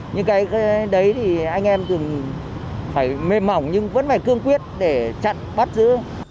nhưng cái đấy thì anh em thường phải mềm mỏng nhưng vẫn phải cương quyết để chặn bắt giữ